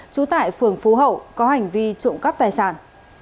bố hậu có hành vi trộm cắp tài sản